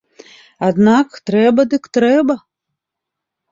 Аднак трэба дык трэба.